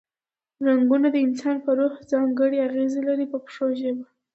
رنګونه د انسان په روح ځانګړې اغیزې لري په پښتو ژبه.